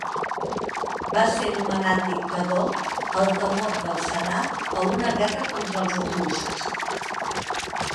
Va ser nomenat dictador pel temor del senat a una guerra contra els etruscs.